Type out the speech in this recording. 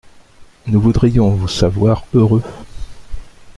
Nous voudrions vous savoir heureux.